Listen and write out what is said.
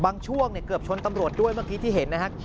ช่วงเกือบชนตำรวจด้วยเมื่อกี้ที่เห็นนะครับ